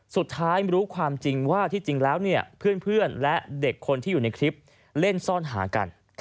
สุดท้ายรู้ความจริงว่าที่จริงแล้วเนี่ยเพื่อนและเด็กคนที่อยู่ในคลิปเล่นซ่อนหากัน